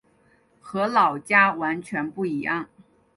和老家完全不一样